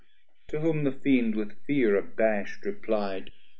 To whom the Fiend with fear abasht reply'd.